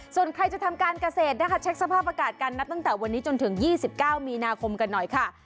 ส่วนใครจะทำการเกษตรนะคะเช็คสภาพอากาศกันนับตั้งแต่วันนี้จนถึง๒๙มีนาคมกันหน่อยค่ะ